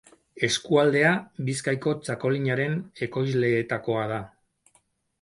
Eskualdea Bizkaiko txakolinaren ekoizleetakoa da.